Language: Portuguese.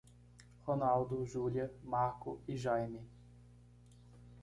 Ronaldo, Júlia, Marco e Jaime